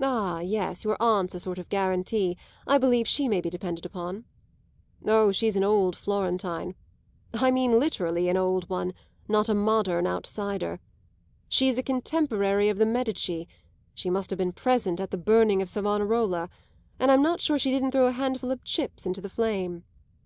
Ah yes, your aunt's a sort of guarantee; I believe she may be depended on. Oh, she's an old Florentine; I mean literally an old one; not a modern outsider. She's a contemporary of the Medici; she must have been present at the burning of Savonarola, and I'm not sure she didn't throw a handful of chips into the flame.